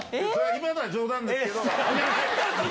今のは冗談ですけど。